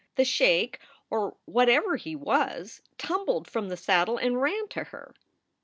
The sheik, or whatever he was, tumbled from the saddle and ran to her.